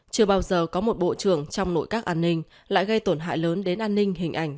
chưa bao giờ có một bộ trưởng trong nội các an ninh lại gây tổn hại lớn đến an ninh hình ảnh